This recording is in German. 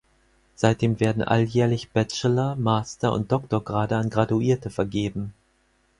Seitdem werden alljährlich Bachelor-, Master- und Doktorgrade an Graduierte vergeben.